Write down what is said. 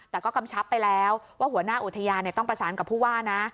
แต่ก็กำชับไปแล้วว่าหัวหน้าอุทยานต้องประสานกับผู้ว่านะ